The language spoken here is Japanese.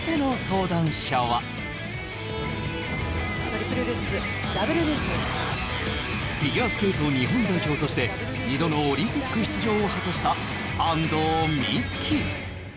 トリプルルッツダブルループフィギュアスケート日本代表として２度のオリンピック出場を果たした安藤美姫